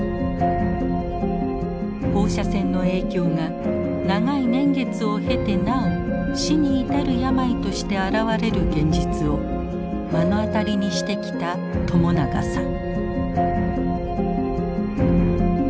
放射線の影響が長い年月を経てなお死に至る病として現れる現実を目の当たりにしてきた朝長さん。